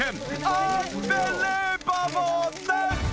アンビリーバボーです！